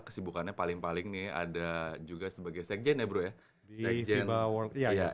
kesibukannya paling paling nih ada juga sebagai sec gen ya bro ya sec gen di fiba world cup ya